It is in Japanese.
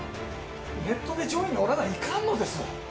ネットで上位におらないかんのです。